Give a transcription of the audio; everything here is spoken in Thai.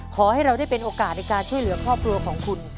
ขอให้เราได้เป็นโอกาสในการช่วยเหลือครอบครัวของคุณ